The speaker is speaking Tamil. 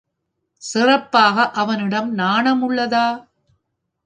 சிறப்பாக அவனிடம் நாணம் உள்ளதா?